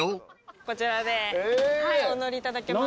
こちらでお乗りいただけます。